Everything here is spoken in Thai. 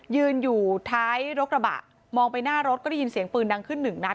ยืนอยู่ท้ายรถกระบะมองไปหน้ารถก็ได้ยินเสียงปืนดังขึ้นหนึ่งนัด